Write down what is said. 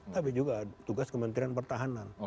tapi juga tugas kementerian pertahanan